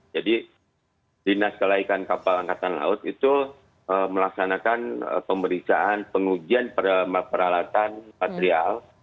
jadi dinas kelaikan kapal angkatan laut itu melaksanakan pemeriksaan pengujian peralatan material